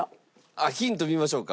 あっヒント見ましょうか。